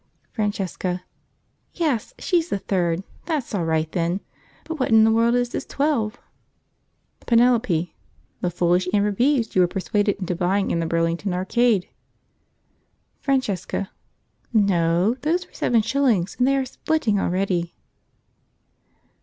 Francesca. "Yes, she's the third, that's all right then; but what in the world is this twelve shillings?" Penelope. "The foolish amber beads you were persuaded into buying in the Burlington Arcade?" Francesca. "No, those were seven shillings, and they are splitting already."